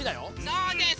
そうです！